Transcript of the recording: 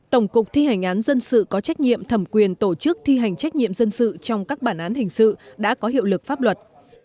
tổng cục thi hành án dân sự có trách nhiệm thẩm quyền tổ chức thi hành trách nhiệm dân sự trong các bản án hình sự đã có hiệu lực pháp luật